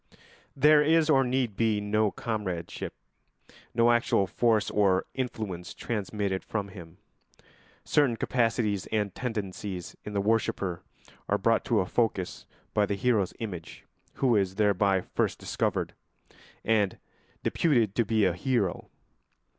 There is or need be no comradeship, no actual force or influence transmitted from him. Certain capacities and tendencies in the worshipper are brought to a focus by the hero's image, who is thereby first discovered and deputed to be a hero.